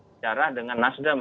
sejarah dengan nasdem